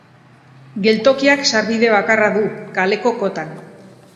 Geltokiak sarbide bakarra du, kaleko kotan.